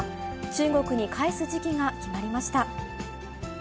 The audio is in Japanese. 中国に返す時期が決まりました。